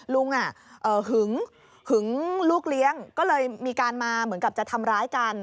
ลุงหึงลูกเลี้ยงก็เลยมีการมาเหมือนกับจะทำร้ายกัน